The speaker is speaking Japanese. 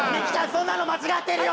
そんなの間違ってるよ！